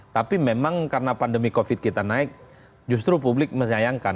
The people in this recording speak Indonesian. tapi memang karena pandemi covid kita naik justru publik menyayangkan